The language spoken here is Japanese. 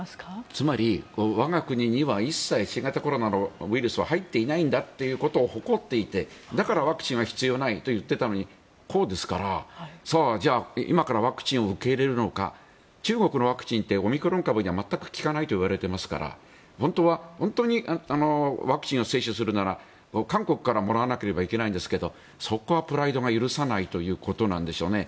つまり、我が国には一切、新型コロナのウイルスは入っていないんだということを誇っていて、だからワクチンは必要ないと言っていたのにこうですから。さあ、じゃあ今からワクチンを受け入れるのか中国のワクチンってオミクロン株には全く効かないといわれていますから本当にワクチンを接種するなら韓国からもらわなければいけないんですがそこはプライドが許さないということなんでしょうね。